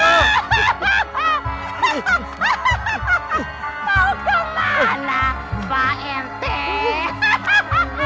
mau kemana pak rt